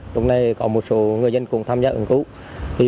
lúc này có một số người dân cũng tham gia ứng cứu